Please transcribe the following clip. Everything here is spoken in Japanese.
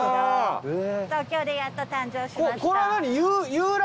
東京でやっと誕生しました。